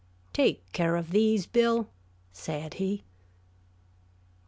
"Take care of these, Bill," said he.